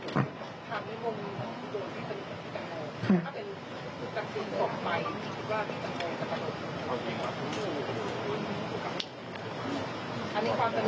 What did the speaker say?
ค่ะ